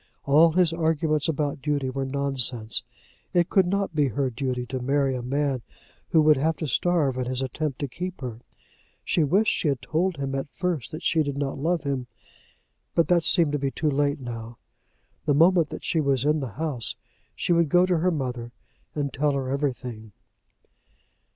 All his arguments about duty were nonsense. It could not be her duty to marry a man who would have to starve in his attempt to keep her. She wished she had told him at first that she did not love him, but that seemed to be too late now. The moment that she was in the house she would go to her mother and tell her everything.